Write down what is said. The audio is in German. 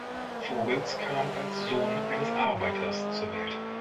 Vogels kam als Sohn eines Arbeiters zur Welt.